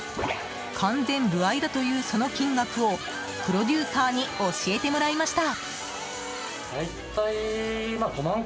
完全歩合だという、その金額をプロデューサーに教えてもらいました。